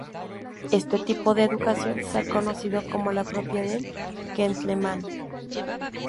Este tipo de educación se ha conocido como la propia del "gentleman".